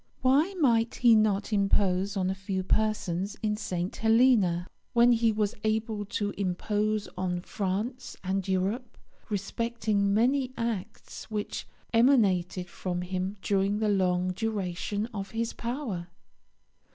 Why might he not impose on a few persons in St. Helena, when he was able to impose on France and Europe, respecting many acts which emanated from him during the long duration of his power?